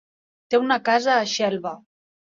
Té una casa a Xelva.